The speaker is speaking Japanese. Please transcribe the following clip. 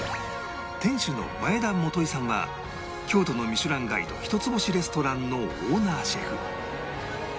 店主の前田元さんは京都の『ミシュランガイド』一つ星レストランのオーナーシェフ